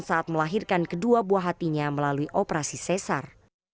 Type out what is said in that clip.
saat melahirkan kedua buah hatinya melalui operasi sesar